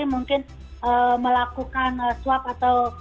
mungkin melakukan swab atau